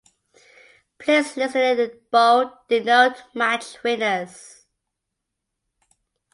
Players listed in bold denote match winners.